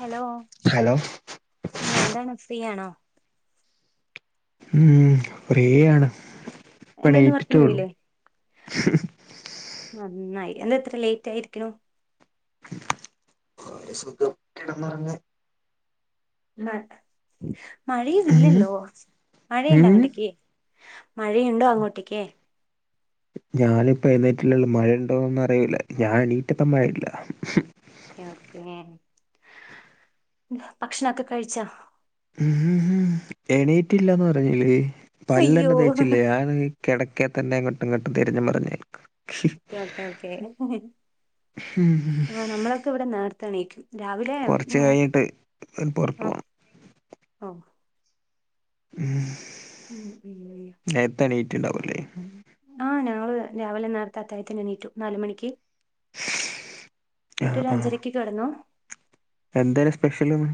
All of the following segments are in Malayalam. ഹലോ ഹലോ ആഹ് എന്താണ് ഫ്രീയാണോ? ഉം. ഫ്രീയാണ്. എന്താന്ന് വർക്കിന് പോയിലേ? നന്നായി. എന്താ ഇത്ര ലേറ്റ് ആയിരിക്ക്ണു? ഒരു സുഖം കെടന്നൊറങ്ങാൻ. മ ഉം മഴയില്ലല്ലോ മഴയുണ്ട ഉം അങ്ങട്ട്ക്ക് മഴയുണ്ടോ അങ്ങോട്ടേക്ക്? ഞാനിപ്പോ എന്നിറ്റില്ലല്ല. മഴണ്ടോന്ന് അറിയൂല്ല. ഞാൻ എണീറ്റപ്പം മഴയില്ല. ഓക്കെ. ഭക്ഷണൊക്കെ കഴിച്ചാ? ഉം ഉം എണീറ്റ്ല്ലന്ന് പറഞ്ഞിലെ അയ്യോ പല്ലെന്ന്തെച്ചിലെ ആ രു കെടക്കെ തന്നെ ങ്ങട്ടും ങ്ങട്ടും തിരിഞ്ഞും മറിഞ്ഞും [unintelligible] ഓക്കെ ഓക്കെ. ഉം ആഹ് നമ്മളൊക്കെവടെ നേർത്തെണീക്കും. രാവിലെ കൊറച്ച് ഉം കഴിഞ്ഞിട്ട് പുറത്തു ഓ പോണം ഓ. ഉം. ഉം ഉം ണ്ടാവുല്ലേ? ആഹ് ഞങ്ങള് രാവിലെ നേർത്തെ അത്തായത്തിനെനീറ്റു. നാലുമണിക്ക്. ന്ന്ട്ടൊരഞ്ചരക്ക് കെടന്നു. എന്തായ്നു സ്പെഷ്യൽന്ന്?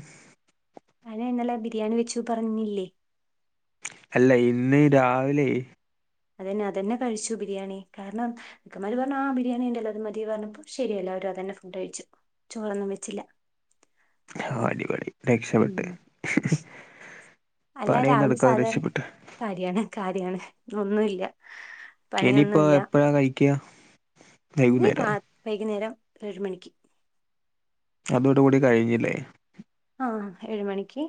ഞാൻ ഇന്നലെ ബിരിയാണി വെച്ചു പറഞ്ഞില്ലേ. അല്ല ഇന്നീ രാവിലെയ് അതന്നെ അതന്നെ കഴിച്ചു ബിരിയാണി. കാരണം ഇക്കമാര് പറഞ്ഞു. ആ ബിരിയാണി ണ്ടല്ലോ അത് മതി പറഞ്ഞപ്പോ ശരിയല്ലോ. [unintelligible] തന്നെ ഫുഡ് കഴിച്ചു. ചോറൊന്നും വെച്ചില്ല. ഓ. അടിപൊളി. ഉം രക്ഷപെട്ട് അല്ല പണിയൊന്നും രാവിലെ എടുക്കാതെ സാധാരണ രക്ഷപ്പെട്ട്. കാര്യാണ് കാര്യാണ്. ഇന്നൊന്നുല്ല. ഇനിയിപ്പോ പണിയൊന്നുല്ല. എപ്പഴാ കഴിക്ക നീ ര വൈകുന്നേരോ വൈകുന്നേരം ഏഴ് മണിക്ക്. അതോടു കൂടി കഴിഞ്ഞില്ലേ. ആഹ്. ഏഴുമണിക്ക്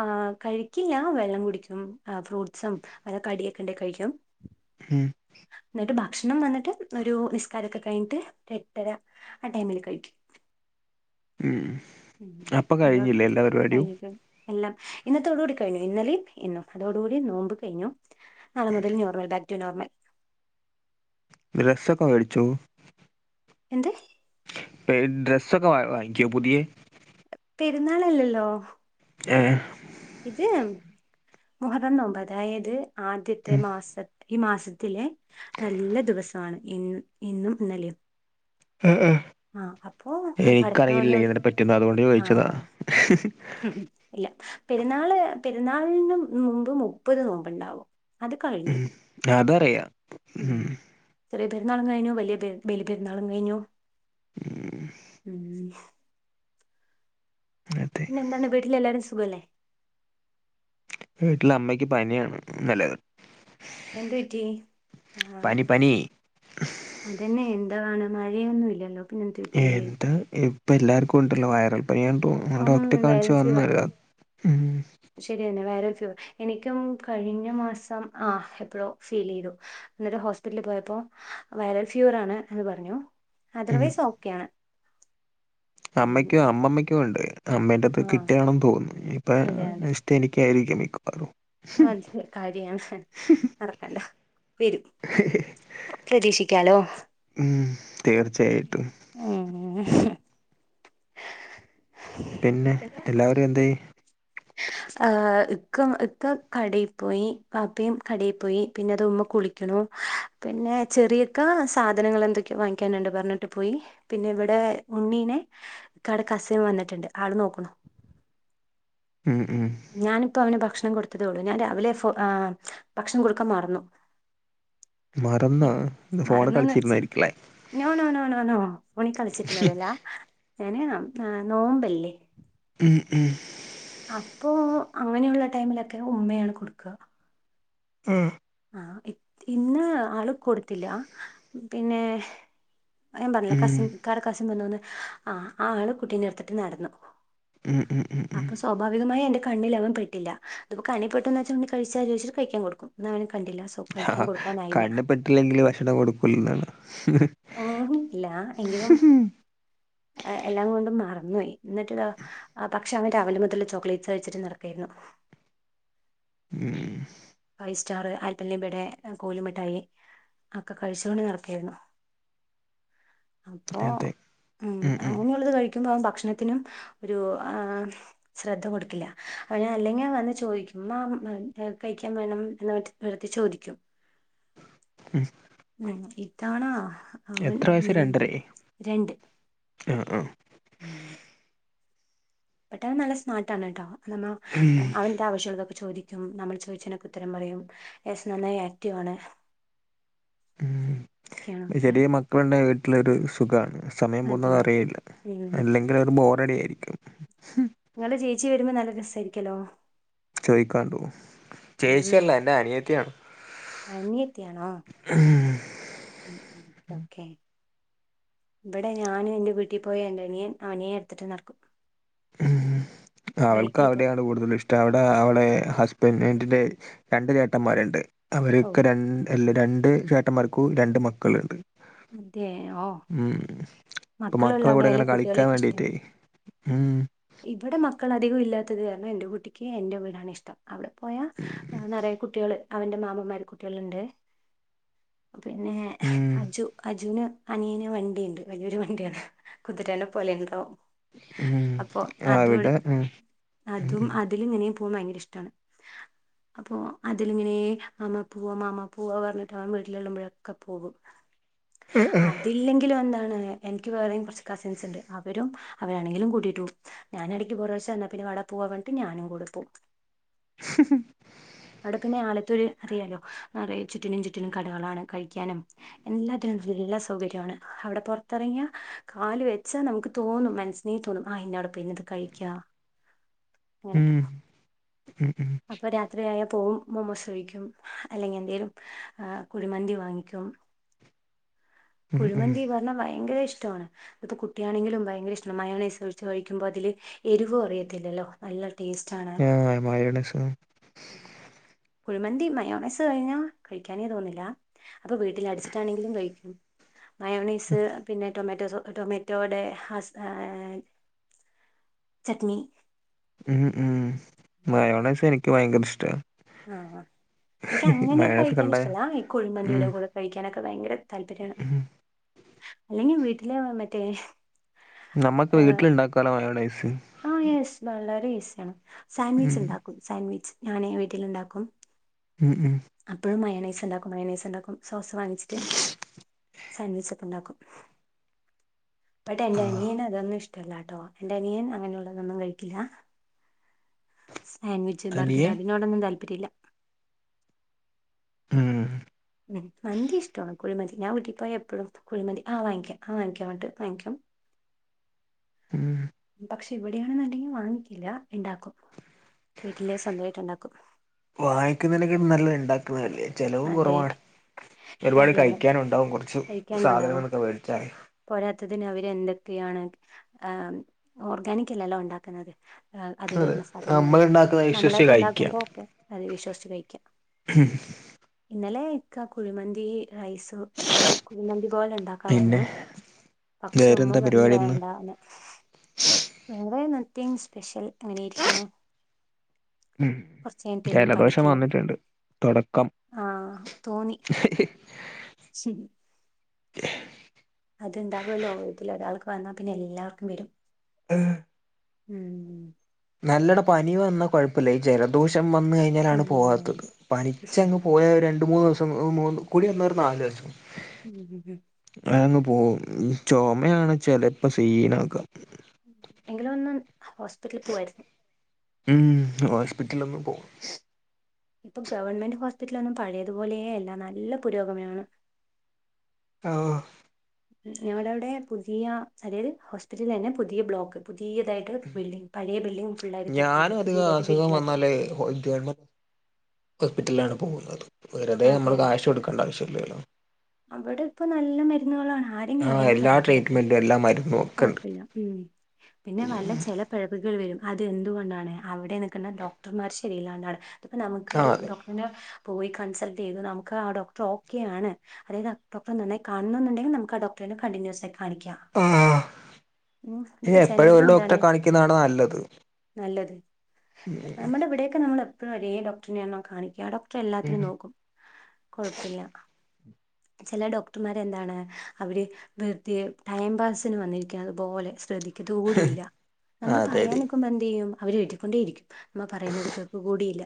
ആ കഴിക്കില്ല. വെള്ളം കുടിക്കും. ഫ്രൂട്ടസും കടിയൊക്കണ്ടെ കഴിക്കാം. ഉം ന്നട്ട് ബാ ഭക്ഷണം വന്നിട്ട് ഒരു നിസ്കാരൊക്കെ കഴിഞ്ഞിട്ട് ഒരെട്ടര ആ ടൈമില് കഴിക്കും. ഉം. ഉം അപ്പൊ കഴിഞ്ഞില്ലേ എല്ലാ [unintelligible] പരിപാടിയും കഴിഞ്ഞിട്ട് എല്ലം. ഇന്നത്തോടുകൂടി കഴിഞ്ഞു. ഇന്നലിം ഇന്നും. അതോടുകൂടി നോമ്പ് കയ്ഞ്ഞു. നാളെ മുതൽ നോർമൽ. Back to normal. ഡ്രെസ്സൊക്കെ മേടിച്ചോ? എന്ത്? [unintelligible] ഡ്രെസ്സൊക്കെ വ വാങ്ങിക്കോ? പുതിയേ. പെര്ന്നാളല്ലല്ലോ. ഏഹ്. ഇത് മുഹറം നോമ്പ്. അതായത് ആദ്യത്തെ ഉം. മാസ ഈ മാസത്തിലെ നല്ല ദിവസാണ് ഇ ഇന്നും ഇന്നലെയും. ആഹ് ആഹ്. ആഹ് അപ്പോ ഭർത്താവിനോട് പറ്റിയൊന്നും അതുകൊണ്ട് ചോദിച്ചതാ ആഹ് ഇല്ല പെരുന്നാള് പെരുന്നാളിന് മുമ്പ് മുപ്പത് നോമ്പ് ഉണ്ടാവും ഉം അതറിയാം ഉം ചെറിയ പെരുന്നാളും കഴിഞ്ഞു വലിയ പെ ബെലി പെരുന്നാളും കഴിഞ്ഞു ഉം. ഉം അതെ പിന്നെ എന്താണ് വീട്ടില് എല്ലാരും സുഖം അല്ലേ വീട്ട്ല് അമ്മയ്ക്ക് പനിയാണ് ഇന്നലെ തൊട്ട് എന്ത്‌ പറ്റി ആ പനി അതന്നേ എന്ത് ഇതാണ് മഴയൊന്നും ഇല്ലല്ലോ പിന്നെ എന്ത് പറ്റി ഏന്താ ഇപ്പ എല്ലാർക്കും ണ്ടല്ലോ വൈറൽ പനിയാപ്പോ അമ്മനെ ഉം ഡോക്ടറെ കാണിച്ചു വൈറൽ ഫീവർ വന്നതാ ഉം ശരിയന്നെ [unintelligible] എനിക്കും കഴിഞ്ഞ മാസം ആ എപ്പഴോ ഫീലെയ്തു ന്നിട്ട് ഹോസ്പിറ്റല് പോയപ്പോ വൈറൽ ഫീവർ ആണ് എന്ന് പറഞ്ഞു ഉം അതർവൈസ് ഓക്കെ ആണ് അമ്മയ്ക്കും അമ്മമ്മയ്ക്കും ഒണ്ട് അമ്മേന്റത് ആ കിട്ടിയാണെന്ന് തോന്നുന്നു ഇപ്പാ നെസ്റ്റ് എനിക്ക് ക്ക്യാരിയ്ക്കും മിക്കവാറും അത് കാര്യാണ് നടക്കണ്ട വെരും പ്രതീക്ഷിക്കാലോ ഉം, തീർച്ചയായിട്ടും പിന്നെ ഉം എല്ലാവരും എന്തേയ്‌ ആ ഇക്ക ഇക്ക കടീ പോയി വാപ്പേം കടീ പോയി പിന്നെ അത് ഉമ്മ കുളിക്ക്ണു ന്നൂ പിന്നെ ചെറിയക്കാ സാധനങ്ങൾ എന്തൊക്കെയോ വാങ്ങിക്കാനുണ്ട് പറഞ്ഞിട്ട് പോയീ പിന്നെ ഇവിടേ ഉണ്ണിനെ ഇക്കാടെ കസിൻ വന്നിട്ടുണ്ട് ആള് നോക്കണു ഉം, ഉം. ഞാനിപ്പോ അവന് ഭക്ഷ ഭക്ഷണം കൊടുത്തതേള്ളൂ ഞാൻ രാവിലെ ആ ഭക്ഷണം കൊടുക്കാൻ മറന്നു മറന്നാ ഫോണ് മറന്നുന്ന് വെച്ച് കളിച്ചിരുന്നായിരിക്കലേ നോ നോ നോ നോ ഫോണിൽ കളിച്ചിരുന്നതല്ലാ ഞാന് നോമ്പല്ലേ മം ഉം അപ്പൊ അങ്ങനെയുള്ള ടൈമിലൊക്കെ ഉമ്മയാണ് കൊടുക്കുക ഉം ആ ഇന്ന് ആള് കൊടുത്തില്ല പിന്നെ ഞാൻ പറഞ്ഞില്ലേ കസിൻ ഉം, ഇക്കടെ കസിൻ നിന്നോന്ന് ആ ആള് കുട്ടീനെ എടുത്തിട്ട് നടന്നു ഉം, ഉം, ഉം. അപ്പൊ സ്വാഭാവികമായി എന്റെ കണ്ണിൽ അവൻ പെട്ടില്ല അതിപ്പോ കണ്ണിൽ പെട്ടന്ന് വച്ചിട്ട് കഴിച്ചലോചിച്ചു കഴിക്കൻ കൊടുക്കും അവ ആ കണ്ണിൽപെട്ടില്ലെങ്കില് ഭക്ഷണം കൊടുക്കൂല എന്നാണ് അങ്ങനെയൊന്നും ഇല്ല എങ്കിലും എല്ലാം കൊണ്ടും മറന്നോയി എന്നിട്ട് പക്ഷെ അവൻ രാവിലെ മുതൽ ചോക്ലേറ്റ്സ് കഴിച്ചിട്ട് നടക്കായിരുന്നു ഉ ഉം ഫൈവ് സ്റ്റാർ ആൽപ്പലീബടെ കോലു മിട്ടായി ഒക്കെ കഴിച്ചുകൊണ്ട് നടക്കയിരുന്നു അപ്പോ അതെ ഉം അങ്ങനെയുള്ളത് കഴിക്കുമ്പോ ഭക്ഷണ ത്തിനും ഒരു ആ ശ്രദ്ധ കൊടുക്കില്ല അവനല്ലെങ്കിൽ വന്ന് ചോദിക്കുമ്പം കഴിക്കാൻ വേണം എന്ന് വെറുതെ ചോദിക്കും മം ഉ ഇതാണോ അവൻ എത്ര വയസ്സ് ഇങ്ങനെയിന്ന് രണ്ടരേ രണ്ട് ആ ആ ഉം പെട്ടവൻ നല്ല സ്മാർട്ടാണ് കേട്ടോ അല്ലമ്മ ഉം, അവന്റെ ആവശ്യങ്ങക്കൊക്കെ ചോദിക്കും ഉം നമ്മൾ ചോദിച്ചതിനൊക്കെ ഉത്തരം പറയും യേസ് നന്നായി ആക്റ്റീവ് ആണ് ഒക്കെയാണ് ഉ ഒക്കെയാണ് ചെറിയ മക്കളുണ്ടേൽ വീട്ടിലൊരു സുഖമാണ് സമയം അതെ പോകുന്നത് അറിയെയില്ല ഉം അല്ലെങ്കിൽ അവരു ബോറഡിയയിരിക്കും നിങ്ങളുടെ ചേച്ചി വരുമ്പോൾ നല്ല രസമായിരിക്കല്ലോ കൈക്കണ്ടു ഉം ചേച്ചിയല്ല എന്റെ അനിയത്തിയാണ് ഉം ഉ ഓക്കെ ഇവിടെ ഞാനും എന്റെ വീട്ടിൽ പോയ എന്റെനിയൻ അവനെയെ എടുത്തിട്ട് നടക്കും അവൾക്ക് ബൈക്കിൽ പോകും അവിടെയാണ് കൂടുതലും ഇഷ്ടം അവിടെ അവളെ പിന്നെ എന്റെ രണ്ട് ചേട്ടന്മാരുണ്ട് ഓ അവരൊക്കെ രണ്ടല്ല രണ്ട് രണ്ട് ചേട്ടന്മാർക്ക് രണ്ട് മക്കളുണ്ട് അതെയോ ഉം ഇപ്പൊ മക്കളുള്ള മക്കള ഇവിടെ അവിടെയല്ലേ എങ്ങനെ കുട്ടികൾ കളിക്കാൻ ഇഷ്ടം വേണ്ടിട്ടേ ഇവിടെ മക്ക മക്കൾ അധികം ഇല്ലാത്തത് കാരണം എന്റെ കുട്ടിക്ക് എന്റെ വീടാണിഷ്ടം അവിടെ പോയാ നിറയെ കുട്ടികൾ അവന്റെ മാമന്മാർ കുട്ടികളുണ്ട് പിന്നെ ഉം അജു അജുന് അനിയന് വണ്ടിയുണ്ട് വലിയൊരു വണ്ടിയാണ് കുതിരേനെ പോലെ ഉണ്ടാവും ഉം അപ്പൊ അതും അവിടെ ഉം അതും ഉം അതിൽ ഇങ്ങനെയ പോവാൻ ഭയങ്കര ഇഷ്ടമാണ് അപ്പൊ അതിലിങ്ങനെ അമ്മ പൂവ മാമാ പൂവ പറഞ്ഞിട്ട് അവൻ വീട്ടിലെള്ളുമ്പോഴൊക്കെ പോകും അതില്ലെങ്കിലും എന്താണ് എനിക്ക് വേറെയും കുറച്ച് കസിൻസ് ഉണ്ട് അവരും അവരാണെങ്കിലും കൂട്ടിയിട്ട് പോകും ഞാൻ ഇടയ്ക്ക് ഒരു പ്രാവശ്യം ചെന്നാപ്പിന്നെ അവിടെ പോവാൻ വേണ്ടി ഞാനും കൂടെ പോവും അവിടെ പിന്നെ ആലത്തൂരു അറിയാലോ നിറയെ ചുറ്റിനും ചുറ്റിനും കടകളാണ് കഴിക്കാനും എല്ലാത്തിനും നല്ല സൗകര്യമാണ് അവിടെ പുറത്തിറങ്ങിയാൽ കാല് വെച്ചാൽ നമുക്ക് തോന്നും മനസ്സിന് ആ ഇന്നോട പിന്നെ ഇത് കഴിക്ക അങ്ങനെ ഉം ഉം അപ്പൊ രാത്രിയായ പോവും മൊമോസ് കഴിക്കും. അല്ലെങ്കിലെന്തേലും ആഹ് കുഴിമന്തി വാങ്ങിക്കും ഉം കുഴിമന്തി പറഞ്ഞാ ഭയങ്കരെ ഇഷ് ഇഷ്ട്ടമാണ് ഇപ്പൊ കുട്ട്യാണെങ്കിലും ഭയങ്കര ഇഷ്ട്ടമാണ് മയോണൈസ് ഒഴിച്ച് കഴിക്കുമ്പോൾ അതില് എരിവ് അറിയത്തില്ലല്ലോ നല്ല ടേസ്റ്റാണ് ആഹ് മയോണൈസ് കുഴിമന്തി മയോണൈസ് കഴിഞ്ഞാ കഴിക്കാനേതോന്നില്ല അപ്പ വീട്ടിൽ അടിച്ചിട്ടാണെങ്കിലും കഴിക്കും മയോണീസ് പിന്നെ ടൊമാറ്റോസോ ടൊമാറ്റോയുടെ ഹ ചട്നി മ് മ് മയോണൈസ് എനിക്ക് ഭയങ്കര ഇഷ്ട്ടാ ആഹ് എനിക്ക് അങ്ങനെ കഴിക്കാൻ കണ്ട ഇഷ്ട്ടല്ല ഈ ഉം കൊഴിമന്തീടെ കൂടെ കഴിക്കാനെക്കെ ഭയങ്കര താല്പര്യാണ് ഉം. അല്ലെങ്കി വീട്ടില് മറ്റേ നമ്മക്ക് വീട്ടില്ണ്ടാക്കാലോ മയോണൈസ്. ആഹ് യെസ് വളരെ ഈസിയാണ് സാൻവിച്ച് ഉം ണ്ടാക്കും സാൻവിച്ച് ഞാനെ വീട്ടില്ണ്ടാക്കും ഉം ഉം അപ്പഴും മയാനൈസ് ണ്ടാക്കും മയാനൈസ് ണ്ടാക്കും സോസ് വാങ്ങിച്ച്ട്ട് സാൻവിച്ചൊക്കെണ്ടാക്കും. ബടെ ന്റ ആഹ് അനിയൻ അതൊന്നും ഇഷ്ടമല്ലാട്ടോ എന്റെ അനിയൻ അങ്ങനെയുള്ളതൊന്നും കഴിക്കില്ല സാൻവിച്ച്, ബർഗർ അനിയേ അതിനോടൊന്നും താല്പര്യല്ല. മ് മ് മന്തി ഇഷ്ട്ടമാണ്. കുഴിമന്തി ഞാൻ വീട്ടി പോയ എപ്പഴും കുഴിമന്തി ആ വാങ്ങിക്കാ ആ വാങ്ങിക്കാ പറഞ്ഞിട്ട് വാങ്ങിക്കും. ഉം പക്ഷെ ഇവിടെയാണെന്ന്ണ്ടങ്കി വാങ്ങിക്കില്ല ഇണ്ടാക്കും. വാങ്ങിക്ക്ന്നേക്കാൾ നല്ലത് ണ്ടാക്ക്ന്നതല്ലേ ചെലവും അതെ കൊറവാണ് ഒര്പാട് കാര്യമാണ് കഴിക്കാനുണ്ടാവും കൊറച്ച് സാധനങ്ങൊക്കെ വേടിച്ചാല്. അതിന് അവര് എന്തെക്കെയാണ് ഓർഗാനിക് അല്ലല്ലോ ണ്ടാക്ക്ന്നത്. അതെ അതിലിട്ന്ന സാധനങ്ങ നമ്മളുണ്ടാക്കുന്നത് വിശ്വസിച്ച് കഴിക്കാം നമ്മളായിട്ട്ണ്ടാക്ക്മ്പോ ഒക്കെ അത് വിശ്വസിച്ച് കഴിക്കാ. ഇന്നലെ ഇക്ക കുഴിമന്തി റൈസ് അങ്ങനെ കുഴിമന്തി പോലെണ്ടാക്കാ പിന്നെ പറഞ്ഞു. പക്ഷെ മ്മ വേറെന്താ പറഞ്ഞു പരിപാടി ഇന്ന് വേണ്ടാന്ന് വേറെ നിത്യം സ്പെഷൽ എങ്ങനെയിരിക്കുന്നു മ് ജലദോഷം പഠിക്കണം വന്നിട്ട്ണ്ട്. തൊടക്കം ശെരി അത്ണ്ടാകുല്ലോ ഇതിലൊരാൾക്ക് വന്നാ പിന്നെ എല്ലാവർക്കും വെരും. ഹേഹ് മ് നല്ലട പനി വന്നാ കൊഴപ്പില്ല ഈ ജലദോഷം വന്ന് കഴിഞ്ഞാലാണ് പോവാത്തത് ആഹ് പനിച്ചങ്ങ് പോയ മൂന്ന് ദിവസം മൂന്ന് കൂടി വന്നാ ഒര് നാല് ദിവസം [unintelligible] ഓ ചൊമയാണ് ചെലപ്പോ സീനാക്കാ എങ്കിലും ഒന്ന് ഹോസ്പിറ്റലില് പോവാര്ന്നു. മ് ഹോസ്പിറ്റലിലൊന്നും പോക ഇപ്പൊ ഗവൺമെന്റ് ഹോസ്പിറ്റലൊന്നും പഴയതുപോലേയല്ല നല്ല പുരോഗമനമാണ്. ആഹ് ഞങ്ങളവടെ പുതിയ അതായത് ഹോസ്പിറ്റലെന്നെ പുതിയ ബ്ലോക്ക് പുതിയതായിട്ട് ബിൽഡിംഗ് പഴയ ബിൽഡിംഗ് ഫൾായി തട്ടിട്ട് ഞാനും അധികം പുതിയതായിട്ട് അസുഖം ബിൽഡിംഗ ആക്ക [unintelligible] ഹോസ്പിറ്റലില ആണ് പോകുന്നത് വെറുതെ അതെ നമ്മള് അതെ കാശ് കൊടുക്കേണ്ട ആവശ്യല്ലേല്ലോ അവിടെ ഇപ്പൊ നല്ല മരുന്നുകളാണ് ആഹ എല്ലാ ട്രീറ്റ്മെന്റും എല്ലാ മ കുഴപ്പില്ല ഉ പിന്നെ നല്ല ചില പിഴപ്പികൾ വരും അതെന്തുകൊണ്ടാണ് അവിടെന്ഡോക്ടർമാര് ശരിയല്ലണ്ടാണ് ഇപ്പ നമുക്ക് ആഹ് ഒരു അതെ ഡോക്ടറിന്റെ പോയി കൺസൾട്ട് ചെയ്തു നമുക്ക് ആ ഡോക്ടർ ഓക്കെയ ആാണ് അതായത് ഡോക്ടറെ നന്നായി കാണുന്നുണ്ടെങ്കിൽ നമുക്ക് ആ ഡോക്ടറെട് കണ്ടിന്യൂസ് ആയി കാണിക്കാം ആഹ് ഉം ഇതിപ്പോ എപ്പോഴും ഒരു ചിലവരെന്താണ് ഡോക്ടറെ കാണിക്കുന്നതാണ് നല്ലത് നല്ലത് നമ്മുടെ ഇവിടെയൊക്കെ നമ്മള് ഇപ്പ ഒരേ ഡോക്ടറിനെ ആണ് കാണിക്ക ആ ഡോക്ടർ ഉം എല്ലാത്തിനും നോക്കും കൊഴപ്പില്ല ചില ഡോക്ടർമാര് എന്താണ് അവര് വെർ ത്യേ ടൈം പാസിന് വന്നി അതുപോലെ ശ്രദ്ധിക്കത കൂടിയില്ല നമ്മള് അതെ പറയാൻ അതെ നക്കുമ്പോ എന്ത്തു ചെയ്യും അവര് എഴതി ക്കൊണ്ടേ ഇരിക്കും നമ്മ പറയുന്നത് കേക്ക് കൂടിയില്ല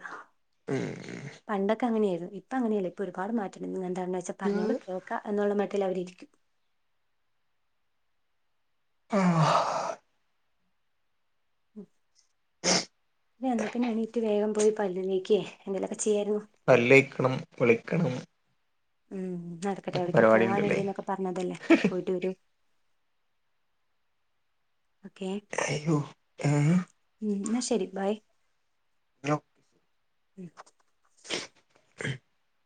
പണ്ടൊ അങ്ങെയായി ഇപ്പ അങ്ങെയല്ല ഇപ്പൊ ഒരുപാട് മാറ്റണ്ട് ങ്ങ എന്താണന്ന് ച്ച പറഞ്ഞോള ഉം കേൾക്ക എന്നുള്ള ത്തിൽ അവരിക്കും ആഹ ഉ എന്നാ പിന്നെ എണീറ്റ് വേഗം പോയി പല്ലതെക്ക് എന്തെലൊക്കെ ചെയ്യരുന്നു ക്കണം വി ളിക്കണം ഉം നടക്കട്ടെ എവിടേക്ക പോവാന്ണ്ട്ന്നൊക്കെ പറഞ്ഞതല്ലേ പോയിട്ട് വരു ഓക്കെ അയ്യോ ഏഹ് ഉ എന്ന ശരി ബായ- [unintelligible] ഉം [unintelligible]